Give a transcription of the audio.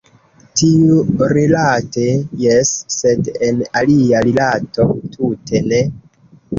Tiurilate jes, sed en alia rilato tute ne.